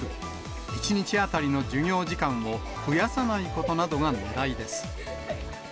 １日当たりの授業時間を増やさないことなどがねらいです。